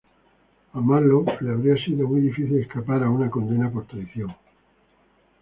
A Marlowe le habría sido muy difícil escapar a una condena por traición.